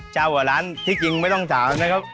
เจ้ากับร้านที่จริงไม่ต้องถามนะครับ